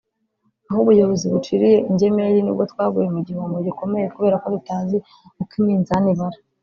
Aho ubuyobozi buciriye ingemeri nibwo twaguye mu gihombo gikomeye kubera ko tutazi uko iminzani ibara